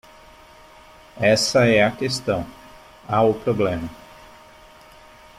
Essa é a questão. Há o problema.